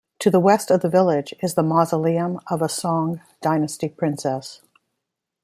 To the west of the village is the mausoleum of a Song dynasty princess.